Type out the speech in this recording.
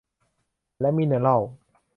และมิเนอรัล